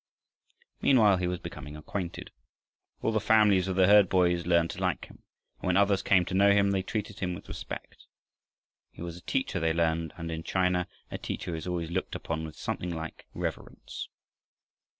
Meanwhile, he was becoming acquainted. All the families of the herd boys learned to like him, and when others came to know him they treated him with respect. He was a teacher, they learned, and in China a teacher is always looked upon with something like reverence.